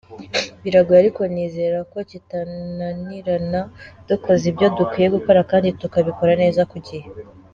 Biragoye ariko nizera ko kitananirana dukoze ibyo dukwiye gukora kandi tukabikora neza ku gihe.